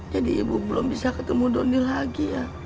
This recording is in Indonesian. jadi ibu belum bisa ketemu doni lagi ya